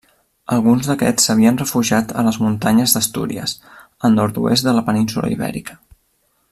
Alguns d'aquests s'havien refugiat a les muntanyes d'Astúries, al nord-oest de la península Ibèrica.